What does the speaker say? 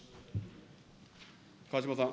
川嶋さん。